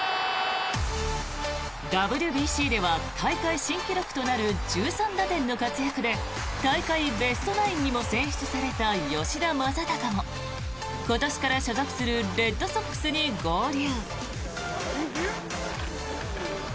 ＷＢＣでは大会新記録となる１３打点の活躍で大会ベストナインにも選出された吉田正尚も今年から所属するレッドソックスに合流。